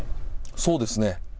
そうですね。